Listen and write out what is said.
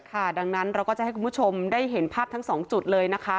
ค่ะดังนั้นเราก็จะให้คุณผู้ชมได้เห็นภาพทั้งสองจุดเลยนะคะ